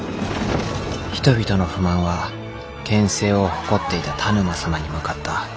人々の不満は権勢を誇っていた田沼様に向かった。